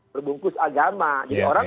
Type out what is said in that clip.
berbungkus agama jadi orang